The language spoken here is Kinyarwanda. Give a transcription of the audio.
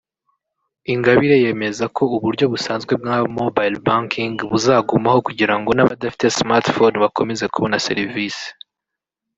Ingabire yemeza ko uburyo busanzwe bwa mobile banking buzagumaho kugira ngo n’abadafite smart phone bakomeze kubona serivisi